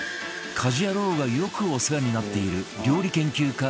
『家事ヤロウ！！！』がよくお世話になっている料理研究家